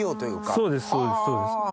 そうですそうです。